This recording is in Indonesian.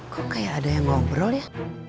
kok kayak ada yang ngobrol ya